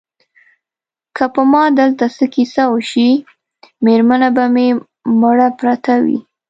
که په ما دلته څه کیسه وشي مېرمنه به مې مړه پرته وي.